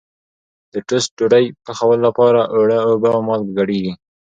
د ټوسټ ډوډۍ پخولو لپاره اوړه اوبه او مالګه ګډېږي.